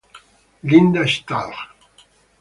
Linda Stahl